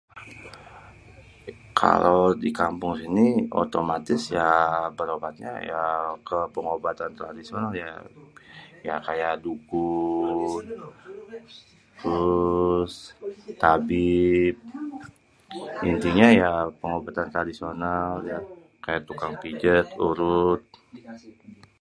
Kalo di kampung ini otomatis ya berobatnya ya ke pengobatan tradisional, ya kaya dukun trus tabib. Intinye ya pengobatan tradisional kaya tukang pijet urut.